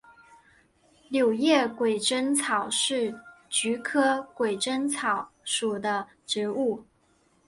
柳叶鬼针草是菊科鬼针草属的植物。